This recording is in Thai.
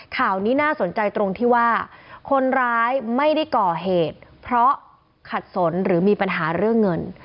ข่าวนี้น่าสนใจตรงที่ว่าคนร้ายไม่ได้ก่อเหตุเพราะขัดสนหรือมีปัญหาเรื่องเงิน